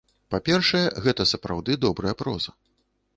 Па-першае, гэта сапраўды добрая проза.